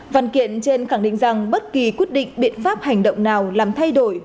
văn kiện trên khẳng định rằng bất kỳ quyết định biện pháp hành động nào làm thay đổi